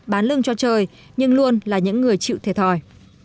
bán lưng cho trời nhưng luôn là những người chịu thiệt thòi